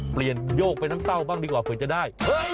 โยกไปน้ำเต้าบ้างดีกว่าเผื่อจะได้